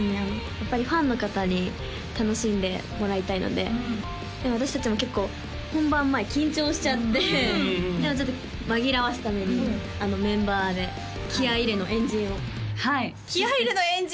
やっぱりファンの方に楽しんでもらいたいので私達も結構本番前緊張しちゃってでもちょっと紛らわすためにメンバーで気合い入れの円陣を気合い入れの円陣？